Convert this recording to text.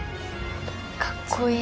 かっこいい。